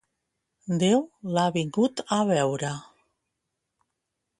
Déu l'ha vingut a veure!